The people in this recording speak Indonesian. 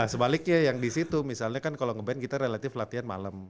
sebaliknya yang disitu misalnya kan kalo ngeband kita relatif latihan malem